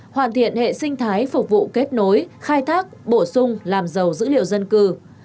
hoàn thiện hệ sinh thái phục vụ kết nối khai thác bổ sung làm giàu dữ liệu dân cư